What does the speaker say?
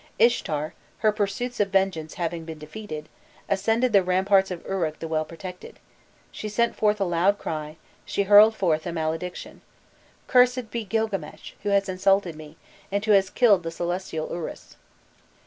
Ishtar, her projects of vengeance having been defeated, "ascended the ramparts of Uruk the well protected. She sent forth a loud cry, she hurled forth a malediction: 'Cursed be Gilgames, who has insulted me, and who has killed the celestial urus.